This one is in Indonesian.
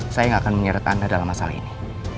saya nggak akan menyeret anda dalam masalah ini